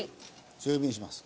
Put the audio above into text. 強火にします。